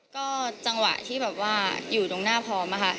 ก็จังหวะที่แบบว่าอยู่ตรงหน้าพร้อมค่ะ